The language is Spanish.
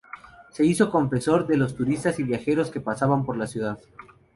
Se hizo confesor de los turistas y viajeros que pasaban por la ciudad.